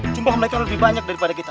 jumlah mereka lebih banyak daripada kita